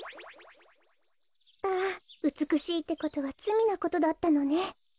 あうつくしいってことはつみなことだったのね。